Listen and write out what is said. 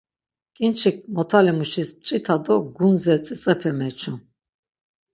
Ǩinçik motamuşis mç̌ita do gundze tzitzepe meçu.